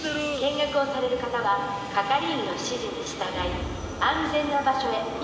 見学をされる方は係員の指示に従い安全な場所へ移動してください。